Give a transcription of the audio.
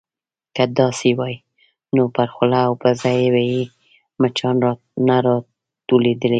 _که داسې وای، نو پر خوله او پزه به يې مچان نه راټولېدای.